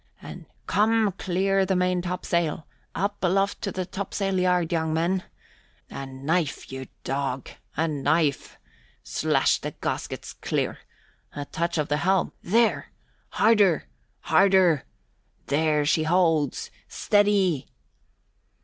And "Come, clear the main topsail! Up aloft to the topsail yard, young men! A knife, you dog, a knife! Slash the gaskets clear! A touch of the helm, there! Harder! Harder! There she holds! Steady!"